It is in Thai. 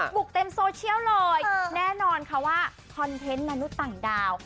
บุกเต็มโซเชียลเลยเออแน่นอนค่ะว่าคอนเทนต์นานุต่างดาว